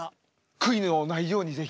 悔いのないように是非。